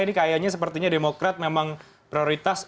ini kayaknya sepertinya demokrat memang prioritas